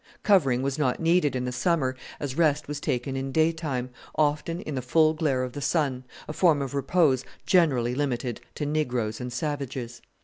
Covering was not needed in the summer, as rest was taken in daytime often in the full glare of the sun a form of repose generally limited to negroes and savages.